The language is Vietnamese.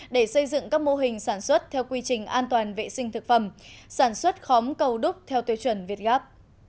để xây dựng các mô hình sản xuất theo quy trình an toàn vệ sinh thực phẩm sản xuất khóm cầu đúc theo tiêu chuẩn việt gáp